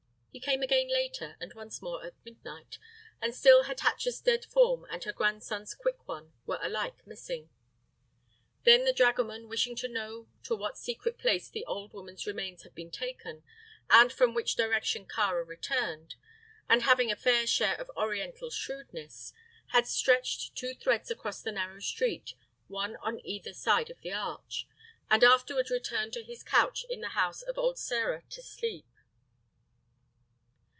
He came again later, and once more at midnight, and still Hatatcha's dead form and her grandson's quick one were alike missing. Then the dragoman, wishing to know to what secret place the old woman's remains had been taken, and from which direction Kāra returned, and having a fair share of oriental shrewdness, had stretched two threads across the narrow street one on either side the arch and afterward returned to his couch in the house of old Sĕra to sleep.